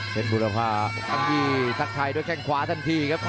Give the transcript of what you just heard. เป็นบุรพาทั้งที่ทักทายด้วยแข้งขวาทันทีครับ